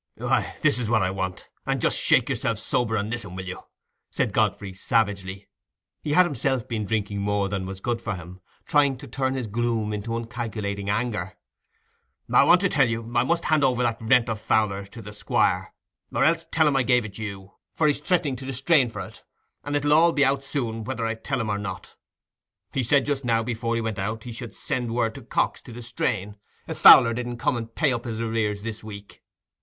"Why, this is what I want—and just shake yourself sober and listen, will you?" said Godfrey, savagely. He had himself been drinking more than was good for him, trying to turn his gloom into uncalculating anger. "I want to tell you, I must hand over that rent of Fowler's to the Squire, or else tell him I gave it you; for he's threatening to distrain for it, and it'll all be out soon, whether I tell him or not. He said, just now, before he went out, he should send word to Cox to distrain, if Fowler didn't come and pay up his arrears this week.